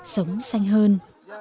sống sanh hơn